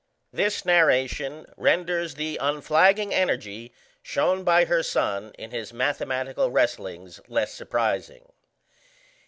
This narration renders the unflagging energy shown by her son in his mathematical wrestlings less surprising.